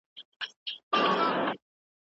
مرګ د حساب او کتاب لومړی پړاو دی.